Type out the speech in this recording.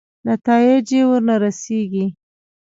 نتایجې ورنه رسېږي.